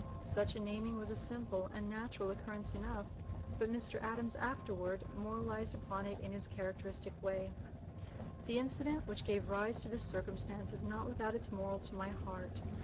Such a naming was a simple and natural occurrence enough, but Mr. Adams afterward moralized upon it in his characteristic way: "The incident which gave rise to this circumstance is not without its moral to my heart.